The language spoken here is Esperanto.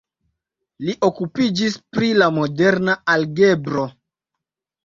Li okupiĝis pri la moderna algebro.